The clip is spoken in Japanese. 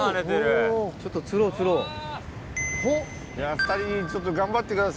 ２人ちょっと頑張ってください。